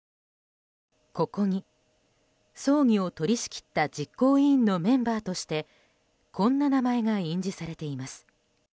ここに葬儀を取り仕切った実行委員のメンバーとしてこんな名前が印字されています。